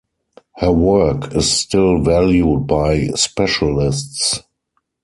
Her work is still valued by specialists.